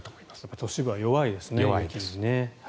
都市部は雪に弱いですね。